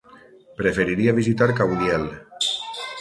Preferiria visitar Caudiel.